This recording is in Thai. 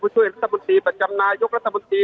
ช่วยรัฐมนตรีประจำนายกรัฐมนตรี